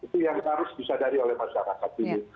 itu yang harus disadari oleh masyarakat ini